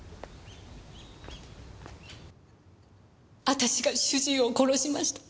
私が主人を殺しました。